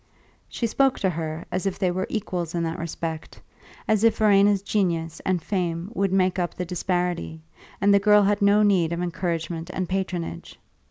She spoke to her as if they were equals in that respect, as if Verena's genius and fame would make up the disparity, and the girl had no need of encouragement and patronage.